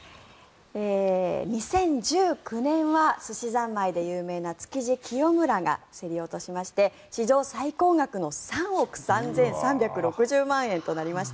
２０１９年はすしざんまいで有名なつきじ喜代村が競り落としまして史上最高額の３億３３６０万円となりました。